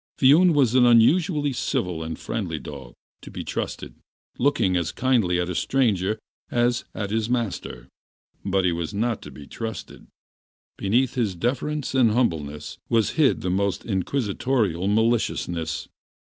Viun was an unusually civil and friendly dog, looking as kindly at a stranger as at his masters, but he was not to be trusted. Beneath his deference and humbleness was hid the most inquisitorial maliciousness.